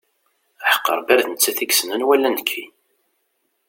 Aḥeqq Rebbi ar d nettat i yessnen wala nekki.